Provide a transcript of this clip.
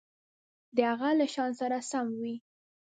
د هغه له شأن سره سم وي.